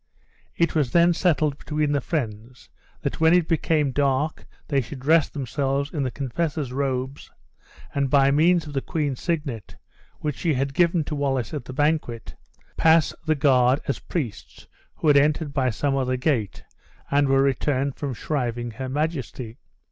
It was then settled between the friends, that when it became dark they should dress themselves in the confessor's robes, and by means of the queen's signet, which she had given to Wallace at the banquet, pass the guard as priests who had entered by some other gate, and were returned from shriving her majesty.